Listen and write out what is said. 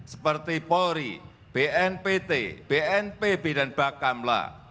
seperti polri bnpt bnpb dan bakamla